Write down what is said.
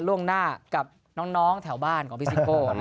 ล่วงหน้ากับน้องแถวบ้านของพี่ซิโก้